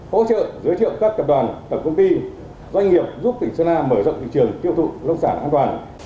hỗ trợ giới thiệu các cập đoàn tập công ty doanh nghiệp giúp tỉnh sơn a mở rộng thị trường tiêu thụ nông sản an toàn